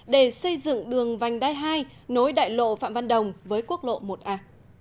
để xây dựng đường vành đai hai nối đại lộ phạm văn đồng với quốc lộ một a